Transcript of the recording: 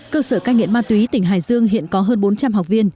cơ sở ca nhiễn ma túy tỉnh hải dương hiện có hơn bốn trăm linh học viên